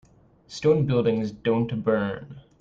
Stone buildings don't burn.